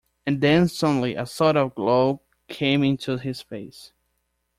And then suddenly a sort of glow came into his face.